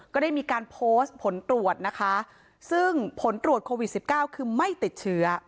ก็ได้มีการโพสต์ผลตรวจนะคะซึ่งผลตรวจโควิด๑๙คือไม่ติดเชื้อ